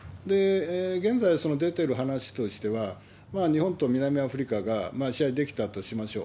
現在、その出ている話としては日本と南アフリカが試合できたとしましょう。